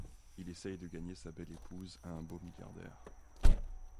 Il essaie de gagner sa belle épouse à un beau milliardaire.